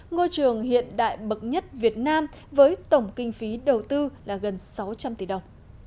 ngôi trường hiện đại bậc nhất việt nam với tổng kinh phí đầu tư là gần sáu trăm linh tỷ đồng